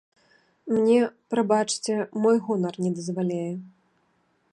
Мне, прабачце, мой гонар не дазваляе.